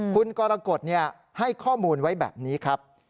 คุณกรกฎให้ข้อมูลไว้แบบนี้ครับ